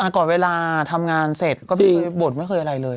ก่อนเวลาทำงานเสร็จก็ไม่เคยบ่นไม่เคยอะไรเลย